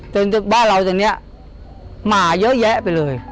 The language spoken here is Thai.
จนบ้านเราตอนนี้หมาเยอะแยะไปเลย